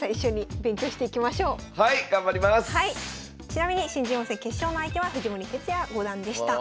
ちなみに新人王戦決勝の相手は藤森哲也五段でした。